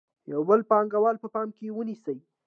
یو بل پانګوال په پام کې ونیسئ